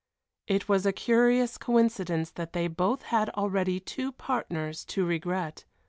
It was a curious coincidence that they both had already two partners to regret.